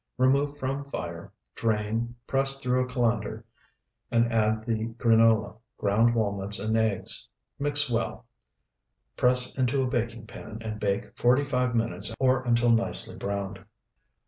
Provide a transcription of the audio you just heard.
Remove from fire, drain, press through a colander, and add the granola, ground walnuts, and eggs. Mix well, press into a baking pan, and bake forty five minutes or until nicely browned.